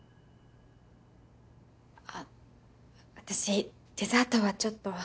あっ私デザートはちょっと。